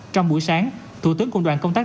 trong buổi sáng thủ tướng cộng đoàn công tác